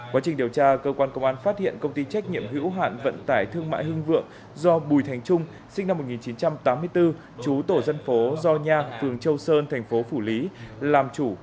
quá trình điều tra cơ quan công an phát hiện công ty trách nhiệm hữu hạn vận tải thương mại hưng vượng do bùi thành trung sinh năm một nghìn chín trăm tám mươi bốn chú tổ dân phố do nha phường châu sơn thành phố phủ lý làm chủ